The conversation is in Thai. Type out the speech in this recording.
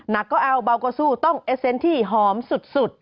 หนักก็แอวเบาก็สู้ต้องเอสเซนต์ที่หอมสุด